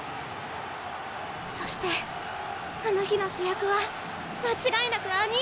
そしてあの日の主役は間違いなく兄ィだった。